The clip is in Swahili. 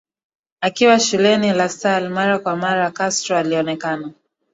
Akiwa shuleni La Salle mara kwa mara Castro alionekana